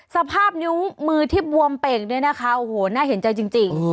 สภาพนิ้วมือที่บวมเป่งเนี่ยนะคะโอ้โหน่าเห็นใจจริง